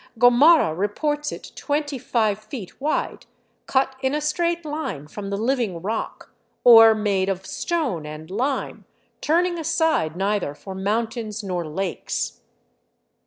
Gomara reports it " twenty five feet wide, cut in a straight hne from the living rock, or made of stone and lime, turning aside neither for mountains nor lakes."